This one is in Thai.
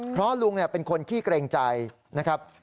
เพราะลุงเป็นคนขี้เกรงใจนะครับ